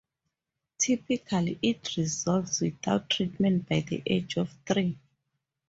Typically, it resolves without treatment by the age of three.